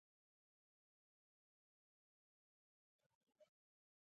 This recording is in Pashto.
ګیدړې له زمري سره ملګرتیا پریښوده.